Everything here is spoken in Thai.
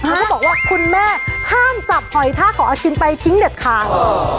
เขาบอกว่าคุณแม่ห้ามจับหอยท่าของอาคินไปทิ้งเด็ดขาด